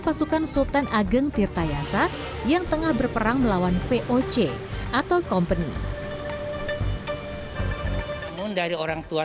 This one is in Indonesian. pasukan sultan ageng tirta yasa yang tengah berperang melawan voc atau company namun dari orang tua